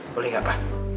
boleh nggak pa